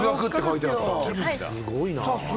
すごいな。